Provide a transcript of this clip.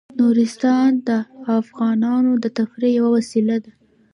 نورستان د افغانانو د تفریح یوه وسیله ده.